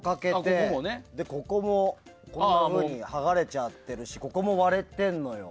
ここも剥がれちゃってるしここも割れてるのよ。